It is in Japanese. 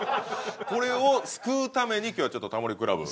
これを救うために今日はちょっと『タモリ倶楽部』。